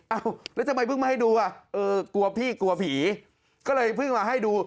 แล้วทำไมเพิ่งมาให้ดูอ่ะเออกลัวพี่กลัวผีก็เลยเพิ่งมาให้ดู